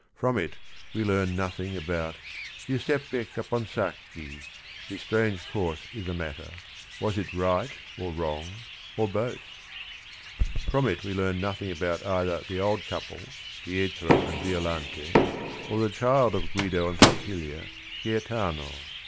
From it we learn nothing about "Giuseppe Caponsacchi; — his strange course I' the matter, was it right or wrong or both? " From it we learn nothing about either the old couple, Pietro and Violante, Qrthe child of Guido and Pompilia, Gaetano.